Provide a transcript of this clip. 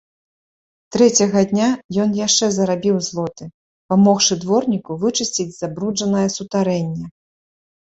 Трэцяга дня ён яшчэ зарабіў злоты, памогшы дворніку вычысціць забруджанае сутарэнне.